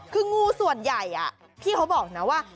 คืองูส่วนใหญ่พี่เขาบอกนะว่า